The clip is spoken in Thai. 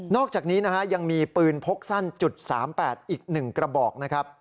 นอกจากนี้ยังมีปืนพกสั้น๓๘อีก๑กระบอก